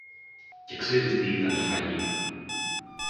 Και ξέρεις τι ήταν το φαγί